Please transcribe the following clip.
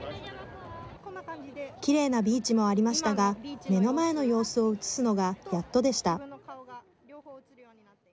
きれいなビーチもありましたが目の前の様子を映すのが、やっとでした。